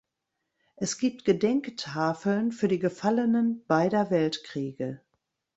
Es gibt Gedenktafeln für die Gefallenen beider Weltkriege.